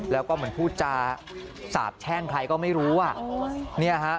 แล้วก็เหมือนผู้จ่าสาบแช่งก็ไม่รู้อ่ะ